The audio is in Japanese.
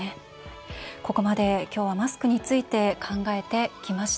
ここまで今日はマスクについて考えてきました。